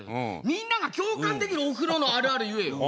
みんなが共感できるお風呂のあるある言えよ。